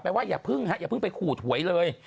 แปลว่าอย่าเพิ่งอย่าเพิ่งไปขู่ถ่วยเลย